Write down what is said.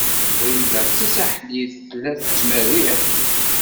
Wrida Tasaḥlit tella tettmerriḥ.